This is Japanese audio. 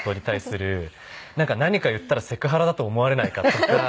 なんか何か言ったらセクハラだと思われないかとか。